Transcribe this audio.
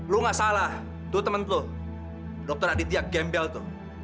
lu nggak salah tuh temen lu dokter aditya gembel tuh